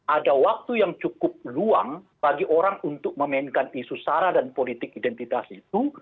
ada waktu yang cukup luang bagi orang untuk memainkan isu sara dan politik identitas itu